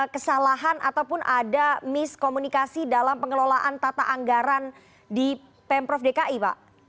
kesalahan ataupun ada miskomunikasi dalam pengelolaan tata anggaran di pemprov dki pak